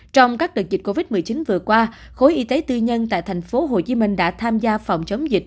trong các đợt dịch covid một mươi chín vừa qua khối y tế tư nhân tại tp hcm đã tham gia phòng chống dịch